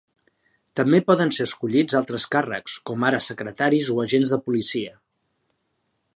També poden ser escollits altres càrrecs, com ara secretaris o agents de policia.